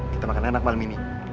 kita makan enak malam ini